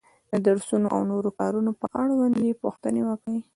د درسونو او نورو کارونو په اړوند یې پوښتنې وکړې.